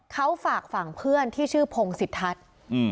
เขาฝากฝั่งเพื่อนที่ชื่อพงศิทัศน์